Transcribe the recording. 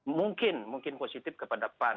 mungkin mungkin positif kepada pan